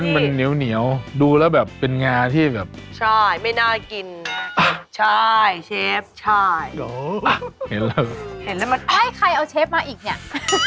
มันเหนียวดูแล้วแบบเป็นงาที่แบบใช่ไม่น่ากินใช่เชฟใช่เห็นแล้วเห็นแล้วมันเอ้ยใครเอาเชฟมาอีกเนี่ย